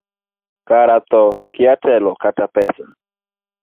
Kara thoo kia telo kata pesa.